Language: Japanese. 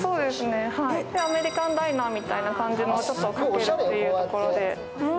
アメリカンダイナーみたいな感じで書けるというところで。